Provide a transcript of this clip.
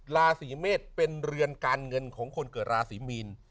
ราศีเมษเป็นเรือนการเงินของคนเกิดราศีมีน